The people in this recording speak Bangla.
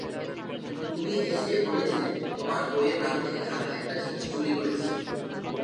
তুমি এসে বলেছিলে, তোমার বইয়ের নাম থেকে আমি একটা জিনিস চুরি করেছি।